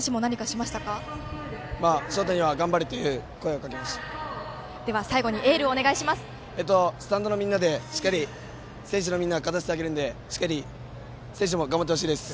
翔太には頑張れとでは、最後にエールをスタンドのみんなでしっかり選手のみんなを勝たせてあげるのでしっかり選手も頑張ってほしいです！